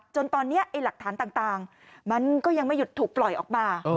จนตอนนี้หลักฐานต่างมันก็ยังไม่หยุดถูกปล่อยออกมา